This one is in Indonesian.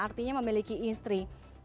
artinya memiliki istri